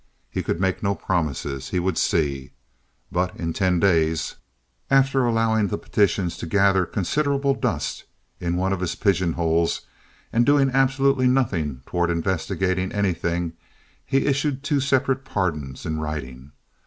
He could make no promises—he would see. But in ten days, after allowing the petitions to gather considerable dust in one of his pigeonholes and doing absolutely nothing toward investigating anything, he issued two separate pardons in writing.